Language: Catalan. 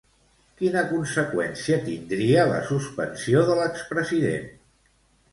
Quina conseqüència tindria la suspensió de l'expresident?